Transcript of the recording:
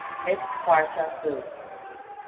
MISS QUARTA HU. Mr.